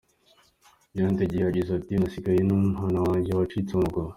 Nyirandegeya yagize ati “ nasigaye n’umwana wanjye wacitse amaguru.